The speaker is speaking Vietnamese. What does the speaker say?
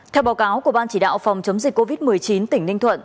theo báo cáo của ban chỉ đạo phòng chống dịch covid một mươi chín tỉnh ninh thuận